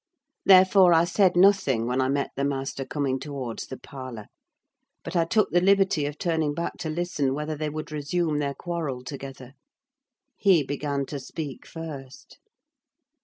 Therefore I said nothing when I met the master coming towards the parlour; but I took the liberty of turning back to listen whether they would resume their quarrel together. He began to speak first.